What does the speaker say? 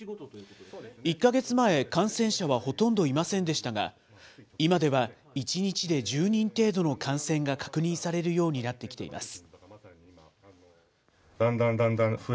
１か月前、感染者はほとんどいませんでしたが、今では１日で１０人程度の感染が確認されるようになってきています。